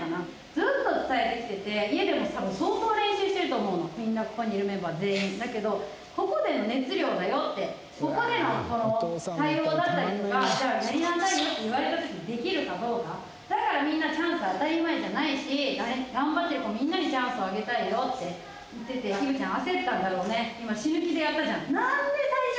ずっと伝えてきてて家でも多分相当練習してると思うのみんなここにいるメンバー全員だけどここでの熱量だよってここでの対応だったりとかじゃあやりなさいよって言われた時にできるかどうかだからみんなチャンス当たり前じゃないしがんばってる子みんなにチャンスをあげたいよって言っててでもこれみんなも一緒ね